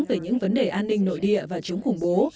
về những vấn đề an ninh nội địa và chống khủng bố